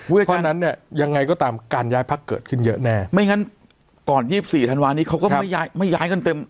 เพราะฉะนั้นเนี่ยยังไงก็ตามการย้ายพักเกิดขึ้นเยอะแน่ไม่งั้นก่อน๒๔ธันวานี้เขาก็ไม่ย้ายกันเต็ม